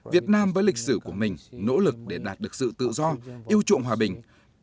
việt nam với lịch sử của mình nỗ lực để đạt được sự tự do yêu chuộng hòa bình